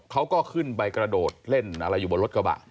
เขาก็ขึ้นไปกระโดดเล่นอะไรอยู่บนรถกระบะ